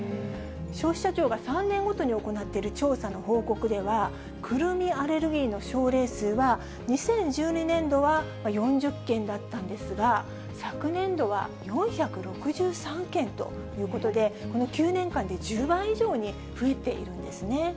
消費者庁が３年ごとに行っている調査の報告では、くるみアレルギーの症例数は、２０１２年度は４０件だったんですが、昨年度は４６３件ということで、この９年間で１０倍以上に増えているんですね。